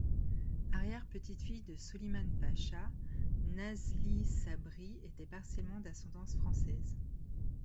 Arrière petite-fille de Soliman Pacha, Nazli Sabri était partiellement d'ascendance française.